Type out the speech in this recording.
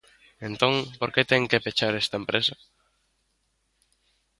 Entón, ¿por que ten que pechar esta empresa?